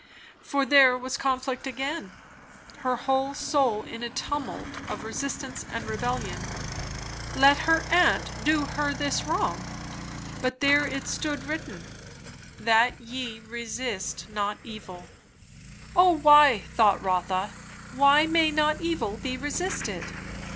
For there was conflict again; her whole soul in a tumult of resistance and rebellion. Let her aunt do her this wrong! But there it stood written "That ye resist not evil." "O why, thought Rotha, why may not evil be resisted?